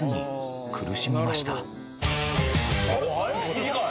短い！